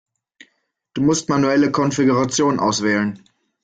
Du musst manuelle Konfiguration auswählen.